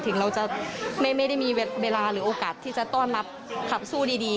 ถึงเราจะไม่ได้มีเวลาหรือโอกาสที่จะต้อนรับขับสู้ดี